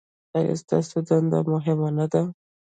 ایا ستاسو دنده مهمه نه ده؟